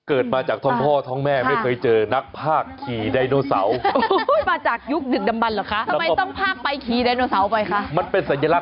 เอาละออกตัวมาแล้วจ้า